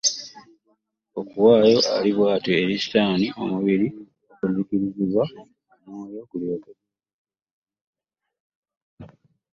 Okuwaayo ali bw'atyo eri Setaani omubiri okuzikirizibwa, omwoyo gulyoke gulokoke ku lunaku lwa Mukama.